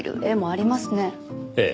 ええ。